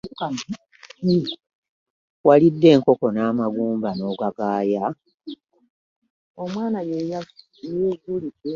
Walidde enkoko n'amagumba n'ogagaaya.